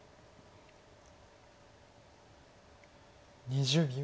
２０秒。